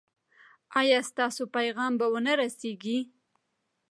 ایا ستاسو پیغام به و نه رسیږي؟